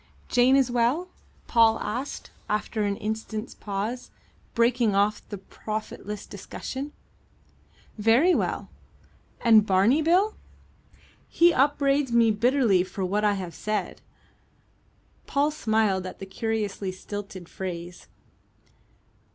"Jane is well?" Paul asked, after an instant's pause, breaking off the profitless discussion. "Very well." "And Barney Bill?" "He upbraids me bitterly for what I have said." Paul smiled at the curiously stilted phrase.